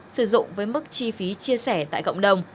sử dụng với mức chi phí chia sẻ tại cộng đồng